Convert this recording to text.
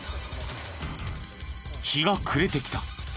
日が暮れてきた。